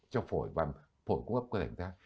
cho phổi và phổi cung cấp cơ thể chúng ta